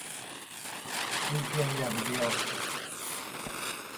แต่เพียงอย่างเดียว